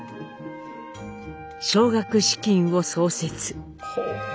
「奨学資金を創設。